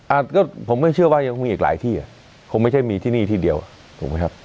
ก็ผมไม่เชื่อว่ายังคงอีกหลายที่อ่ะคงไม่ใช่มีที่นี่ที่เดียวถูกไหมครับ